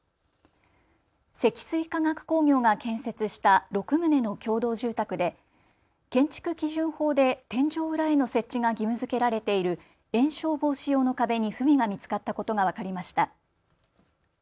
積水化学工業が建設した６棟の共同住宅で建築基準法で天井裏への設置が義務づけられている延焼防止用の壁に不備が見つかったことが分かりました。